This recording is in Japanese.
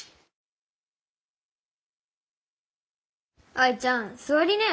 アイちゃんすわりなよ。